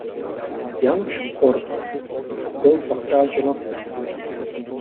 Jan Špork byl dvakrát ženatý.